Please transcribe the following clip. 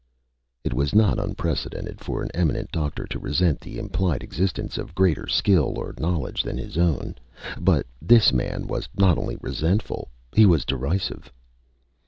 It was not unprecedented for an eminent doctor to resent the implied existence of greater skill or knowledge than his own. But this man was not only resentful. He was derisive.